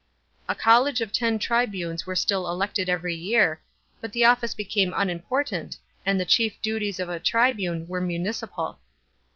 A college of ten tribunes was still elected every year, but the office became unimportant, and the chief duties of a tribune were municipal.!